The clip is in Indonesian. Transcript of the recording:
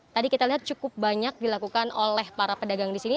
tadi kita lihat cukup banyak dilakukan oleh para pedagang di sini